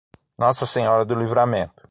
Nossa Senhora do Livramento